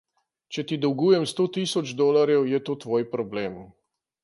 Če ti dolgujem sto tisoč dolarjev, je to tvoj problem.